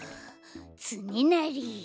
つねなり。